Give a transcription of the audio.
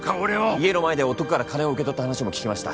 家の前で男から金を受け取った話も聞きました。